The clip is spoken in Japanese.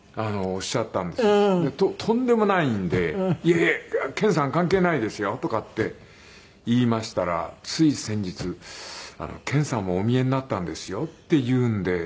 とんでもないんで「いえいえ健さん関係ないですよ」とかって言いましたら「つい先日健さんもお見えになったんですよ」って言うんで。